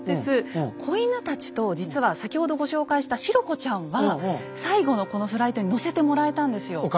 子犬たちと実は先ほどご紹介したシロ子ちゃんは最後のこのフライトに乗せてもらえたんですよ。